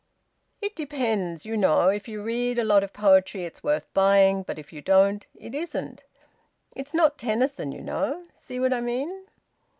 "It depends, you know. If you read a lot of poetry, it's worth buying. But if you don't, it isn't. It's not Tennyson, you know. See what I mean?"